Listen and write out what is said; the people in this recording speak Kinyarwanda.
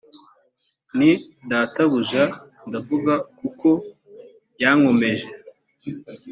nti databuja ndavuga kuko wankomeje